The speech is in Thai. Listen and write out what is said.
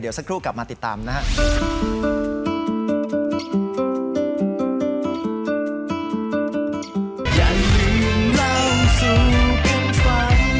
เดี๋ยวสักครู่กลับมาติดตามนะฮะ